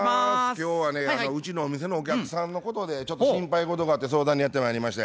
今日はねうちのお店のお客さんのことでちょっと心配事があって相談にやってまいりまして。